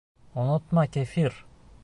Онотма, кефир!